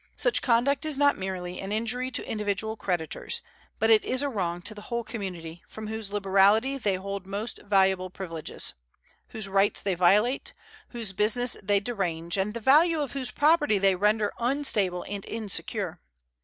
Such conduct is not merely an injury to individual creditors, but it is a wrong to the whole community, from whose liberality they hold most valuable privileges, whose rights they violate, whose business they derange, and the value of whose property they render unstable and insecure.